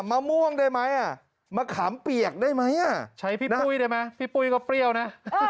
มะม่วงได้ไหมมะขามเปียกได้ไหมใช้พี่ปุ้ยได้ไหมพี่ปุ้ยก็เปรี้ยวนะ